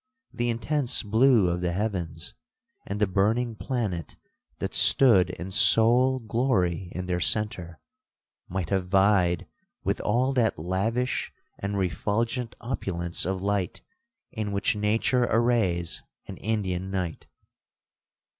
The intense blue of the heavens, and the burning planet that stood in sole glory in their centre, might have vied with all that lavish and refulgent opulence of light in which nature arrays an Indian night.